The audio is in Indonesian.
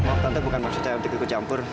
maaf tante bukan maksudnya dikukuh campur